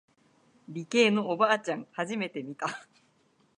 理系のおばあちゃん初めて見た。